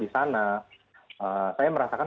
di sana saya merasakan